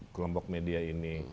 kelompok media ini